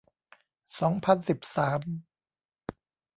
สองพันสิบสาม